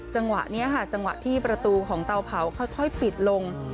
จังหวะนี้ค่ะจังหวะที่ประตูของเตาเผาค่อยปิดลง